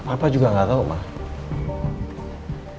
apa juga enggak tahu mak